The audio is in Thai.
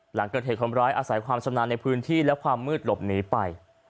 หลังเกิดเหตุคนร้ายอาศัยความชำนาญในพื้นที่และความมืดหลบหนีไป